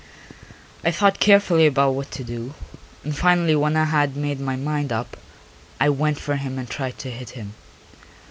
I thought carefully about what to do, and finally when I had made my mind up I went for him and tried to hit him.